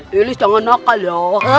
lilis jangan nakal ya